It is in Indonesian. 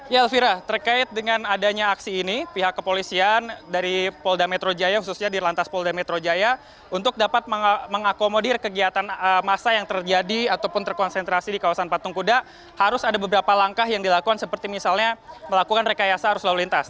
ya elvira terkait dengan adanya aksi ini pihak kepolisian dari polda metro jaya khususnya di lantas polda metro jaya untuk dapat mengakomodir kegiatan massa yang terjadi ataupun terkonsentrasi di kawasan patung kuda harus ada beberapa langkah yang dilakukan seperti misalnya melakukan rekayasa arus lalu lintas